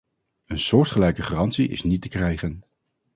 Een soortgelijke garantie is niet te krijgen.